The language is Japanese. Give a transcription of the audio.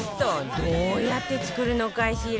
どうやって作るのかしら？